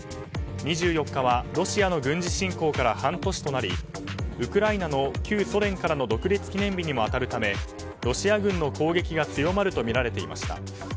２４日はロシアの軍事侵攻から半年となりウクライナの旧ソ連からの独立記念日にも当たるためロシア軍の攻撃が強まるとみられていました。